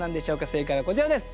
正解はこちらです。